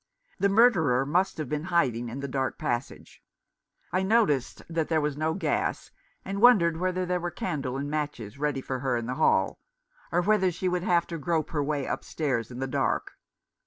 The murderer must have been hiding in the dark passage. I noticed that there was no gas, and wondered whether there were candle and matches ready for her in the hall, or whether she would have to grope her way upstairs in the dark.